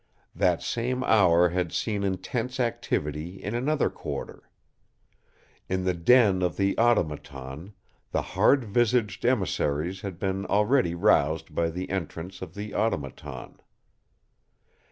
That same hour had seen intense activity in another quarter. In the den of the Automaton, the hard visaged emissaries had been already roused by the entrance of the Automaton.